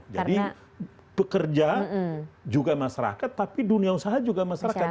jadi pekerja juga masyarakat tapi dunia usaha juga masyarakat